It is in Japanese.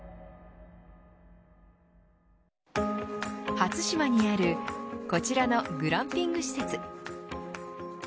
初島にあるこちらのグランピング施設。